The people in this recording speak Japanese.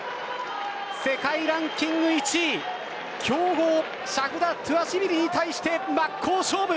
世界ランキング１位、強豪シャフダトゥアシビリに対して真っ向勝負！